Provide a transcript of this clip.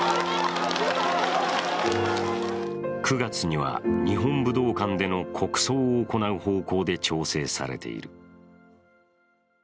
９月には、日本武道館での国葬を行う方向で調整されている。